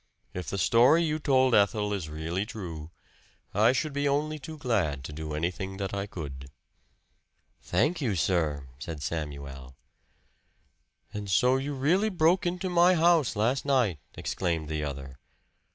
"If the story you told Ethel is really true, I should be only too glad to do anything that I could." "Thank you, sir," said Samuel. "And so you really broke into my house last night!" exclaimed the other.